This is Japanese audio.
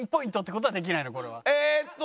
えっと